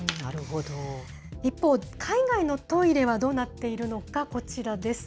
一方、海外のトイレはどうなっているのか、こちらです。